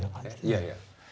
いやいや。